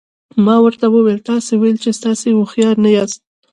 ما ورته وویل تاسي ویل چې تاسي هوښیار نه یاست.